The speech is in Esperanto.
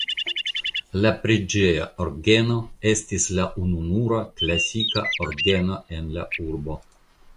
La preĝeja orgeno estas la ununura klasika orgeno en la urbo.